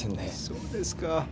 そうですか。